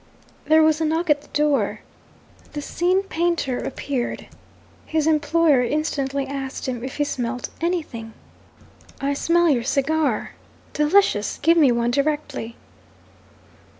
There was a knock at the door. The scene painter appeared. His employer instantly asked him if he smelt anything. 'I smell your cigar. Delicious! Give me one directly!'